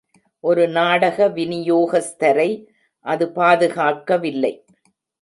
ஒரு நாடக வினியோகஸ்தரை அது பாதுகாக்கவில்லை.